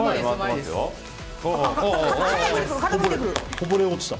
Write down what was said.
こぼれ落ちた。